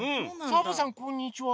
サボさんこんにちは。